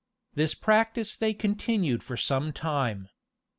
This practice they continued for some time.